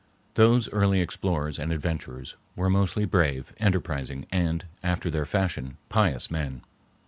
Those early explorers and adventurers were mostly brave, enterprising, and, after their fashion, pious men.